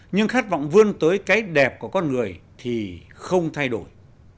nhưng khát vọng vươn tới cái đẹp của con người thì không thay đổi